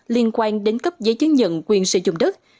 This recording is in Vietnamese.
liên quan đến cấp giấy chứng nhận quyền sử dụng đất